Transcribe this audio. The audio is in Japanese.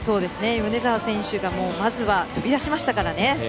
米澤選手がまずは飛び出しましたからね。